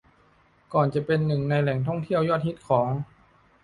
ก่อนจะเป็นหนึ่งในแหล่งท่องเที่ยวยอดฮิตของ